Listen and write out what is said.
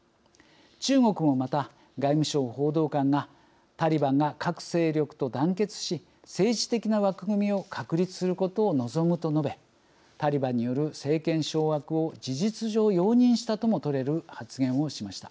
中国もまた外務省報道官がタリバンが各勢力と団結し政治的な枠組みを確立することを望むと述べタリバンによる政権掌握を事実上容認したともとれる発言をしました。